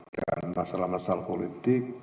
dan masalah masalah politik